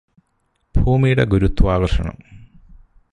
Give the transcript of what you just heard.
ഭൂമിയുടെ ഗുരുത്വാകര്ഷണം